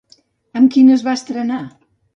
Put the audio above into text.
Amb quina es va estrenar?